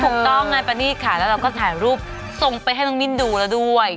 ถูกต้องนายประนีตค่ะแล้วเราก็ถ่ายรูปส่งไปให้น้องมิ้นดูแล้วด้วย